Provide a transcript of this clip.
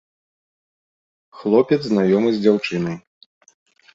Хлопец знаёмы з дзяўчынай.